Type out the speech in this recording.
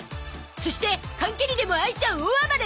そして缶蹴りでもあいちゃん大暴れ